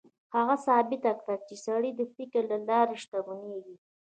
هغه ثابته کړه چې سړی د فکر له لارې شتمنېږي.